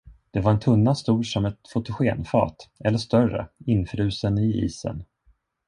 Det var en tunna, stor som ett fotogenfat, eller större, infrusen i isen.